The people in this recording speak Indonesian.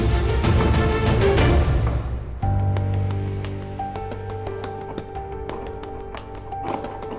sampai ketemu lagi